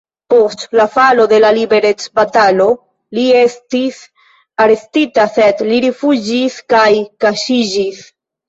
Post falo de la liberecbatalo li estis arestita, sed li rifuĝis kaj kaŝiĝis.